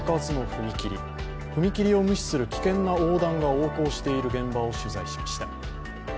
踏切を無視する危険な横断が横行している現場を取材しました。